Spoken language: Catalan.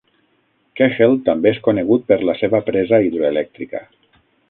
Kochel també és conegut per la seva presa hidroelèctrica.